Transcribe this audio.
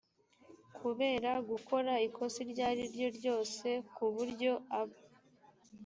kubera gukora ikosa iryo ari ryo ryose ku buryo aba